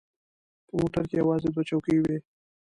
په موټر کې یوازې دوې چوکۍ وې.